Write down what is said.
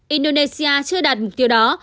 indonesia chưa đạt mục tiêu đó